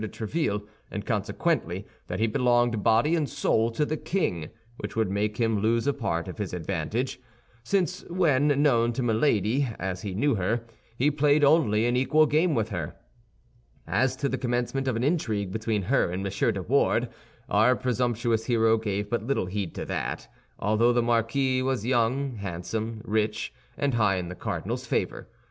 de Tréville, and consequently, that he belonged body and soul to the king; which would make him lose a part of his advantage, since when known to Milady as he knew her, he played only an equal game with her. As to the commencement of an intrigue between her and M. de Wardes, our presumptuous hero gave but little heed to that, although the marquis was young, handsome, rich, and high in the cardinal's favor.